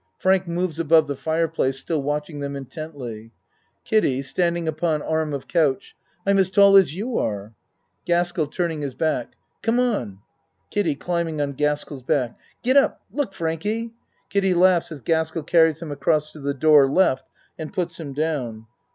(Frank moves above the fire place still watching them intently.) KIDDIE (Standing upon arm of couch.) I'm as tall as you are. GASKELL (Turning his back.) Come on. KIDDIE (Climbing on Gaskell's back.) Get up! Look, Frankie! (Kiddie laughs as Gaskell carries him across to the door L. and puts him down.)